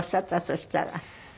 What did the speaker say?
そしたら。